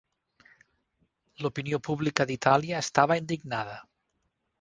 L'opinió pública d'Itàlia estava indignada.